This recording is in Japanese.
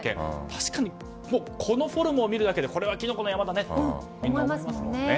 確かにこのフォルムを見るだけでこれは、きのこの山だねとみんな思いますもんね。